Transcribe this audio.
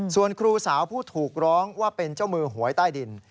ส่วนครูสาวผู้ถูกร้องว่าเป็นเจ้ามือหวยใต้ดิน